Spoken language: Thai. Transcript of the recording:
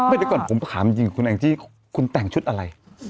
เดี๋ยวก่อนผมก็ถามจริงคุณแองจี้คุณแต่งชุดอะไร